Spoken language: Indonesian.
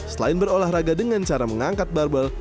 selain berolahraga dengan cara mengangkat barbel